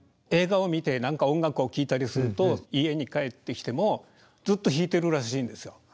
映画を見て何か音楽を聴いたりすると家に帰ってきてもずっと弾いてるらしいんですよ。